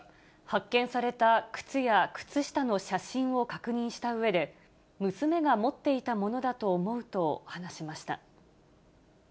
発見された靴や靴下の写真を確認したうえで、娘が持っていたものだと思うと話しました。